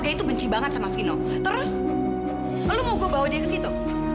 kondisinya cukup kritis bu